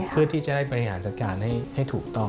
เพื่อที่จะได้บริหารจัดการให้ถูกต้อง